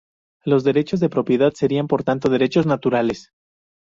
Los derechos de propiedad serían, por tanto, derechos naturales.